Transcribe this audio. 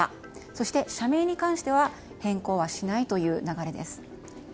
そして、社名に関しては変更はしないという流れです。